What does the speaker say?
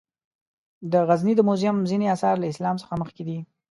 د غزني د موزیم ځینې آثار له اسلام څخه مخکې دي.